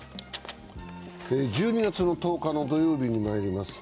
１２月の１０日土曜日にまいります。